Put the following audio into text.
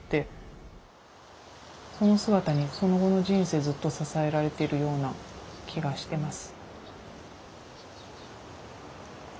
その姿にその後の人生ずっと支えられてるような気がしてます。